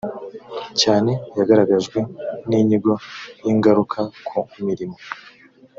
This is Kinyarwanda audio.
cyane yagaragajwe n inyigo y ingaruka ku mirimo